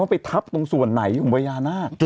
ไปทับตรงส่วนไหนของพญานาค